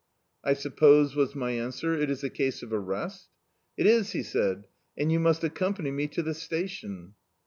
"I suppose," was my answer, "it is a case of arrest?" "It is," he said, "and you must accompany me to the station."